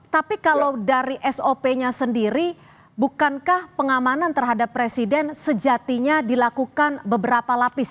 tapi kalau dari sop nya sendiri bukankah pengamanan terhadap presiden sejatinya dilakukan beberapa lapis